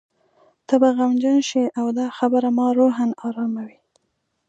ته به غمجن شې او دا خبره ما روحاً اراموي.